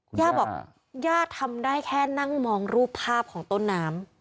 ย่าบอกย่าทำได้แค่นั่งมองรูปภาพของต้นน้ำ